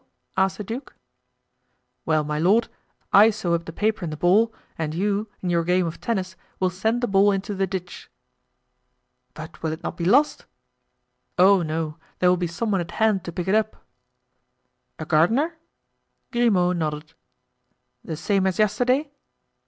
asked the duke. "Well, my lord, I sew up the paper in the ball and you, in your game of tennis, will send the ball into the ditch." "But will it not be lost?" "Oh no; there will be some one at hand to pick it up." "A gardener?" Grimaud nodded. "The same as yesterday?"